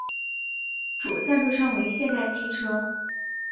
主赞助商为现代汽车。